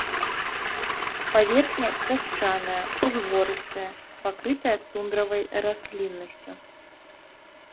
Паверхня пясчаная, узгорыстая, пакрытая тундравай расліннасцю.